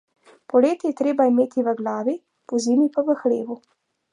Poleti je treba imeti v glavi, pozimi pa v hlevu.